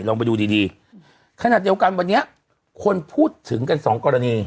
ลองไปดูดีดีขนาดเดียวกันวันนี้คนพูดถึงกันสองกรณี